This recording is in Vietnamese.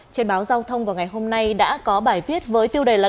trên báo giao thông vào ngày hôm nay đã có bài viết với tiêu đề là